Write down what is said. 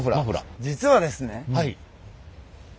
実はですね